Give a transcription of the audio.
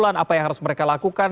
apa yang harus mereka lakukan